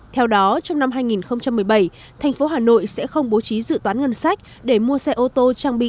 theo đó trong năm hai nghìn một mươi bảy tp hcm sẽ không bố trí dự toán ngân sách để mua xe ô tô trang bị